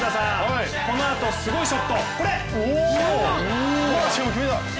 このあと、すごいショット！